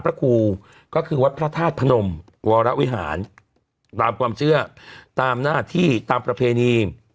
พระครูก็คือวัดพระธาตุพนมวรวิหารตามความเชื่อตามหน้าที่ตามประเพณี